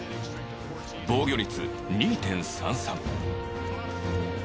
防御率２．３３。